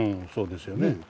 そうですよね。